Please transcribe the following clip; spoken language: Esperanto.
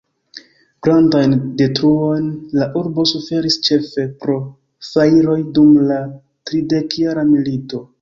Grandajn detruojn la urbo suferis, ĉefe pro fajroj, dum la Tridekjara milito.